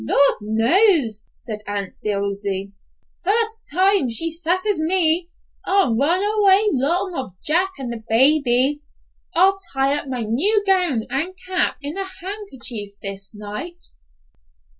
"Lord knows," said Aunt Dilsey, "fust time she sasses me, I'll run away long of Jack and the baby. I'll tie up my new gown and cap in a handkerchief this night."